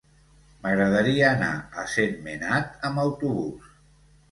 M'agradaria anar a Sentmenat amb autobús.